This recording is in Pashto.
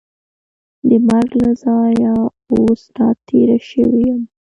د مرګ له ځایه اوس را تېره شوې یم.